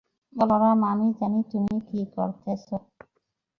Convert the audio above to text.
বলরাম, আমি জানি তুমি কী করতেছ।